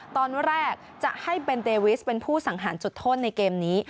ตอนแรกจะให้เบนเดวิสเป็นผู้สังหารจุดโทษในเกมนี้